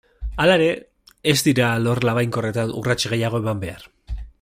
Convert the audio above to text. Hala ere, ez dira alor labainkorretan urrats gehiago eman behar.